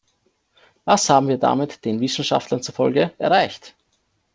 Was haben wir damit, den Wissenschaftlern zufolge, erreicht?